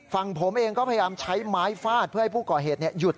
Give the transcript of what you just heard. ฝั่งผมเองก็พยายามใช้ไม้ฟาดเพื่อให้ผู้ก่อเหตุหยุด